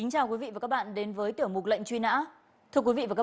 cảm ơn các bạn đã theo dõi